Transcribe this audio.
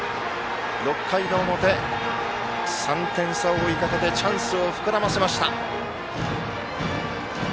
６回の表、３点差を追いかけてチャンスを膨らませました。